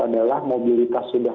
adalah mobilitas sudah